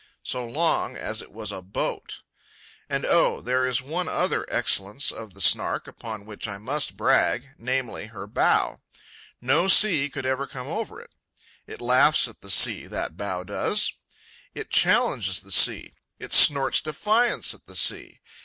So long as it was a B O A T. And, oh, there is one other excellence of the Snark, upon which I must brag, namely, her bow. No sea could ever come over it. It laughs at the sea, that bow does; it challenges the sea; it snorts defiance at the sea.